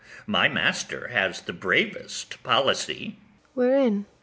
O, my master has the bravest policy!